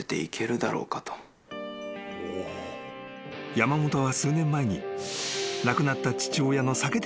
［山本は数年前に］